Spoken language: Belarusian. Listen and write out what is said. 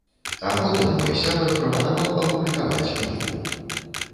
А потым мой сябар прапанаваў апублікаваць кнігу.